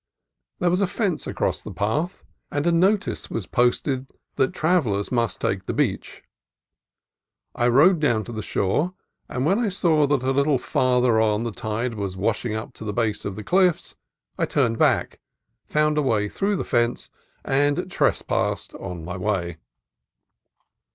There was a fence across the path, and a no tice was posted that travellers must take the beach. I rode down to the shore, but when I saw that a little farther on the tide was washing up to the base of the cliffs I turned back, found a way through the fence, and trespassed on my way.